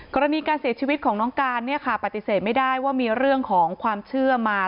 กรณีการเสียชีวิตของน้องการเนี่ยค่ะปฏิเสธไม่ได้ว่ามีเรื่องของความเชื่อมา